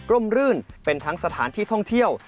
รื่นเป็นทั้งสถานที่ท่องเที่ยว